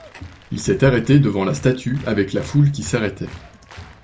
Il s'est arrêté devant la statue avec la foule qui s'arrêtait.